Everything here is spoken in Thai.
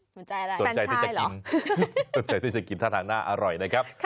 สนใจอะไรสนใจที่จะกินสนใจที่จะกินท่าทางน่าอร่อยนะครับ